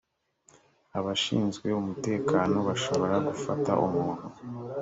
abashinzwe umutekano bashobora gufata umuntu